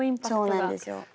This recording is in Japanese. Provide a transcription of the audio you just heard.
そうなんですよ。